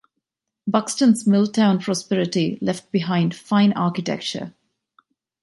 Buxton's mill town prosperity left behind fine architecture.